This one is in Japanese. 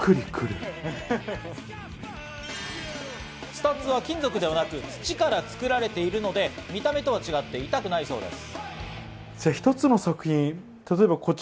スタッズは金属ではなく土から作られているので、見た目とは違って痛くないそうです。